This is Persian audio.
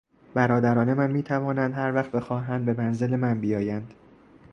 برادران من میتوانند هر وقت بخواهند به منزل من بیایند.